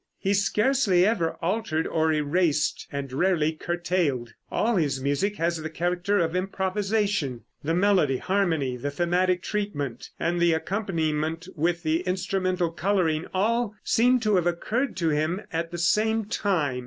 He scarcely ever altered or erased, and rarely curtailed. All his music has the character of improvisation. The melody, harmony, the thematic treatment, and the accompaniment with the instrumental coloring, all seem to have occurred to him at the same time.